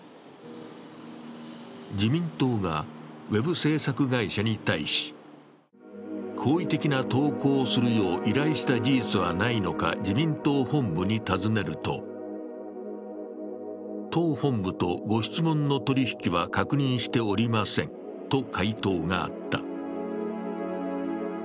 自民党がウェブ制作会社に対し、好意的な投稿をするよう依頼した事実はないのか自民党本部に尋ねると、党本部とご質問の取り引きは確認しておりませんと回答があった。